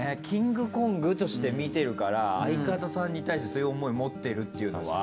キングコングとして見てるから相方さんに対してそういう思い持ってるっていうのは。